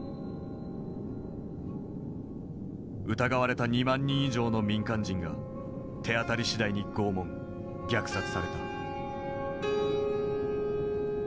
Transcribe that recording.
疑われた２万人以上の民間人が手当たり次第に拷問虐殺された。